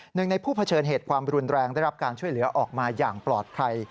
หนึ่งในผู้เผชิญเหตุความรุนแรงได้รับการช่วยเหลือออกมาอย่างปลอดภัย